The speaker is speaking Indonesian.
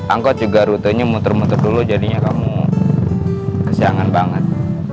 angkot juga rutenya muter muter dulu jadinya kamu kesiangan banget